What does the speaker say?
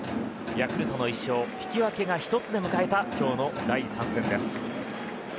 ヤクルトの１勝引き分けが１つで迎えた今日の第３戦です。